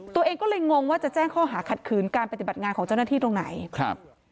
ตัวเองก็เลยงงว่าจะแจ้งข้อหาขัดขืนการปฏิบัติงานของเจ้าหน้าที่ตรงไหนครับ